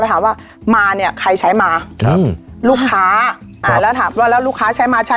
ถามว่ามาเนี่ยใครใช้มาครับลูกค้าอ่าแล้วถามว่าแล้วลูกค้าใช้มาใช้